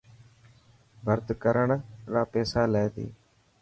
ڀرت ڪرڻ را پيسالي تي.